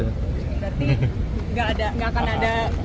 berarti gak akan ada